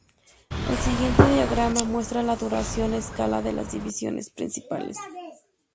El siguiente diagrama muestra la duración a escala de las divisiones principales.